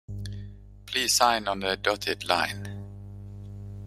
Please sign on the dotted line.